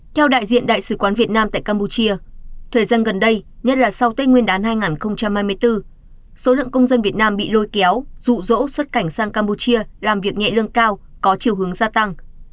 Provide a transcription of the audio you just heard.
theo đại diện đại sứ quán việt nam tại campuchia thời gian gần đây nhất là sau tết nguyên đán hai nghìn hai mươi bốn số lượng công dân việt nam bị lôi kéo rụ rỗ xuất cảnh sang campuchia làm việc nhẹ lương cao có chiều hướng gia tăng